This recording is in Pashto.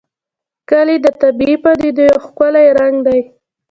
کلي د طبیعي پدیدو یو ښکلی رنګ دی.